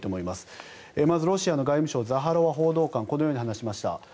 まず、ロシアの外務省ザハロワ報道官はこのように話しました。